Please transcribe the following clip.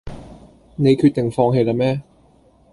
你決定放棄啦咩